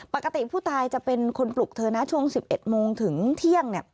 ปกติผู้ตายจะเป็นคนปลุกเธอนะช่วง๑๑โมงถึงเที่ยง